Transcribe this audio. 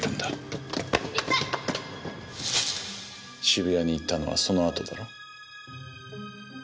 渋谷に行ったのはそのあとだろ？